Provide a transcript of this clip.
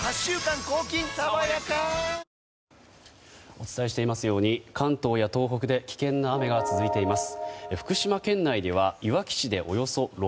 お伝えしていますように関東や東北で危険な雨が続いています。